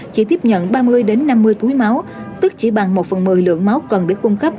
chỉ tiếp nhận ba mươi năm mươi túi máu tức chỉ bằng một phần một mươi lượng máu cần được cung cấp